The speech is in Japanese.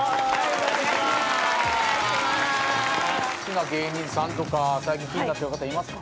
好きな芸人さんとか最近気になってる方いますか？